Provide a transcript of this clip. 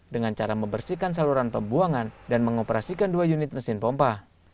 dengan cara membersihkan saluran pembuangan dan mengoperasikan dua unit mesin pompa